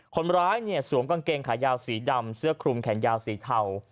คนร้ายเนี่ยสวมกางเกงขายาวสีดำเสื้อคลุมแขนยาวสีเทา